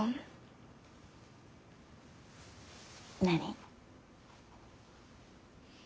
何？